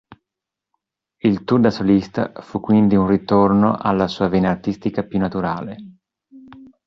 Il tour da solista fu quindi un ritorno alla sua vena artistica più naturale.